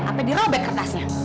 sampe dirobek kertasnya